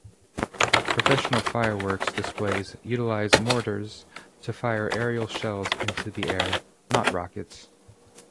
Professional fireworks displays utilize mortars to fire aerial shells into the air, not rockets.